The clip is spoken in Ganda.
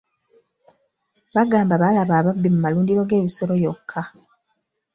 Bagamba baalaba ababbi mu malundiro g'ebisolo yokka.